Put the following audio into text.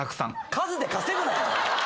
数で稼ぐなよ。